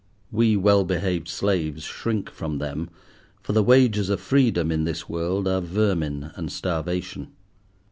We well behaved slaves shrink from them, for the wages of freedom in this world are vermin and starvation.